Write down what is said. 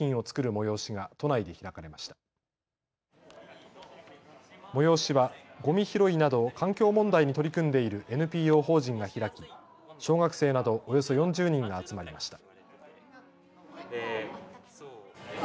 催しはごみ拾いなど環境問題に取り組んでいるＮＰＯ法人が開き小学生などおよそ４０人が集まりました。